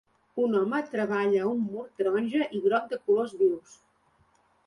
Un home treballa a un mur taronja i groc de colors vius.